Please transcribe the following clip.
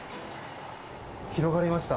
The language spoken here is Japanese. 広がりました。